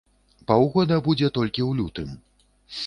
Паўгода будзе толькі ў лютым.